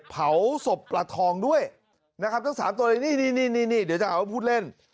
เผาศพปลาทองด้วยนะครับทั้ง๓ตัวเลยนี่เดี๋ยวจะหาว่าพูดเล่น